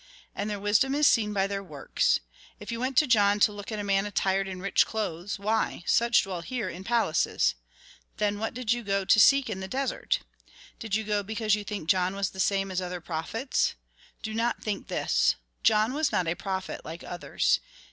And their wisdom is seen by their works. If you went to John to look at a man attired in rich clothes, why, such dwell here in palaces. Then, what did you go to seek in the desert ? Did you go because you think John was the same as other prophets ? Do not think this. John was not a prophet like others.